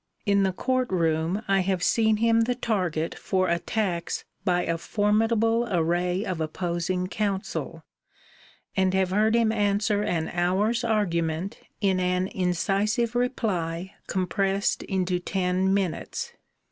In the court room I have seen him the target for attacks by a formidable array of opposing counsel, and have heard him answer an hour's argument in an incisive reply compressed into ten minutes.